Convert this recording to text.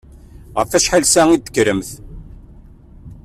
Ɣef wacḥal ssaɛa i d-tekkremt?